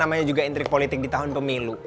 namanya juga intrik politik di tahun pemilu